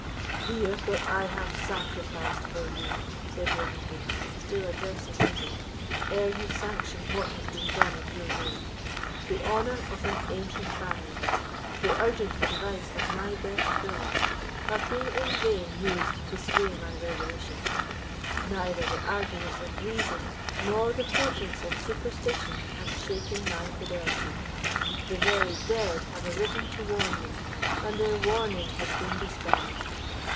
"Hear what I have sacrificed for you," said Ravenswood, still addressing Lucy, "ere you sanction what has been done in your name. The honour of an ancient family, the urgent advice of my best friends, have been in vain used to sway my resolution; neither the arguments of reason nor the portents of superstition have shaken my fidelity. The very dead have arisen to warn me, and their warning has been despised.